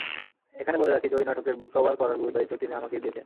এখানে বলে রাখি, জয়ী নাটকের বুক কভার করার গুরুদায়িত্ব তিনি আমাকেই দিয়েছেন।